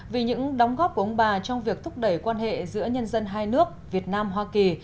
vì những đóng góp của ông bà trong việc thúc đẩy quan hệ giữa nhân dân hai nước việt nam hoa kỳ